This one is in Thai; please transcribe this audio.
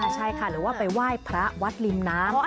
ใช่ค่ะหรือว่าไปไหว้พระวัดริมน้ำ